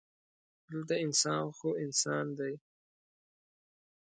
دلته انسان خو انسان دی.